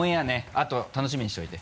あと楽しみにしておいて。